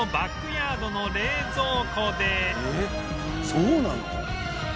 そうなの？